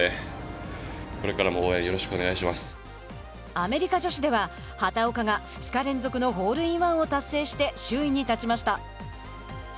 アメリカ女子では畑岡が２日連続のホールインワンを達成して首位に立ちました。